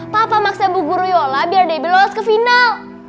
papa maksa ibu guru yola biar debbie lolos ke final